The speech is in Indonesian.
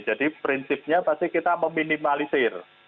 jadi prinsipnya pasti kita meminimalisir